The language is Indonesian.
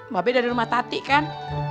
mbak be ada rumah tati kan